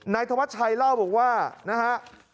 ธวัชชัยเล่าบอกว่านะฮะ